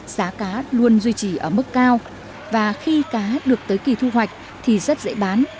giá cá luôn duy trì ở mức cao và khi cá được tới kỳ thu hoạch thì rất dễ bán